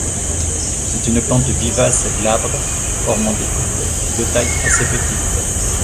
C'est une plante vivace glabre, formant des touffes de taille assez petite.